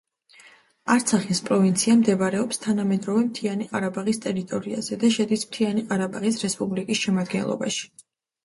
არცახის პროვინცია მდებარეობს თანამედროვე მთიანი ყარაბაღის ტერიტორიაზე და შედის მთიანი ყარაბაღის რესპუბლიკის შემადგენლობაში.